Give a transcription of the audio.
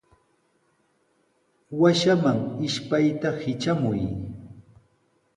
Washaman ishpayta hitramuy.